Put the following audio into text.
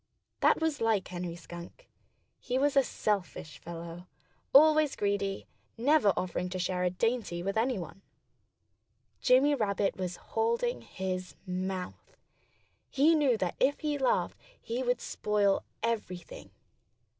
That was like Henry Skunk. He was a selfish fellow always greedy, never offering to share a dainty with anyone. Jimmy Rabbit was holding his mouth. He knew that if he laughed he would spoil everything.